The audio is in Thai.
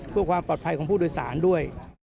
เพื่อความปลอดภัยของผู้โดยสารด้วย